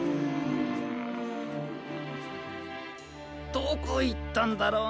どこいったんだろう。